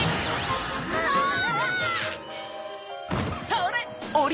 それ！